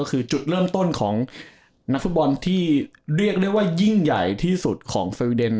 คือจุดเริ่มต้นของนักฟุตบอลที่เรียกได้ว่ายิ่งใหญ่ที่สุดของสวีเดน